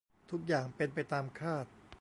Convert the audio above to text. ทุกอย่างเป็นไปตามคาด